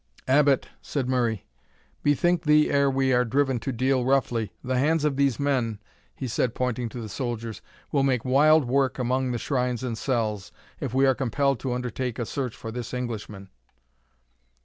"Abbot!" said Murray, "bethink thee ere we are driven to deal roughly the hands of these men," he said, pointing to the soldiers, "will make wild work among shrines and cells, if we are compelled to undertake a search for this Englishman."